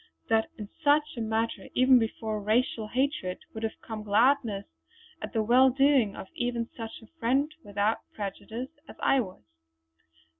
That in such a matter even before racial hatred would have come gladness at the well doing of even such a friend without prejudice as I was.